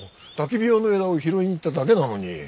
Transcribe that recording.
焚き火用の枝を拾いに行っただけなのに。